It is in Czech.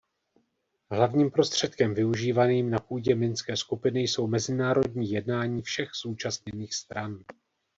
Hlavním prostředkem využívaným na půdě Minské skupiny jsou mezinárodní jednání všech zúčastněných stran.